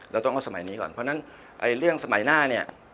เราต้องเอาสมัยนี้ก่อนเพราะฉะนั้นเรื่องสมัยหน้าเนี่ย